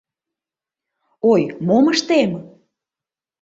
Ой, мом ыштем!